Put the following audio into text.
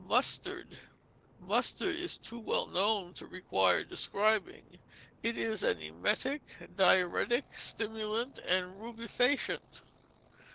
Mustard Mustard is too well known to require describing. It is an emetic, diuretic, stimulant, and rubefacient.